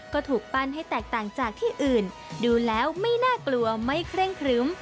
ก็ถูกปั้นให้แตกต่างจากที่อื่นดูแล้วไม่น่ากลัวไม่เคร่งครึ้ม